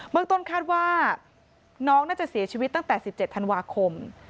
เมืองต้นคาดว่าน้องน่าจะเสียชีวิตตั้งแต่๑๗ธันวาคม